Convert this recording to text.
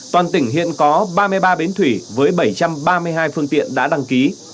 toàn tỉnh hiện có ba mươi ba bến thủy với bảy trăm ba mươi hai phương tiện đã đăng ký